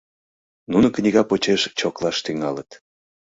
Нуно книга почеш чоклаш тӱҥалыт.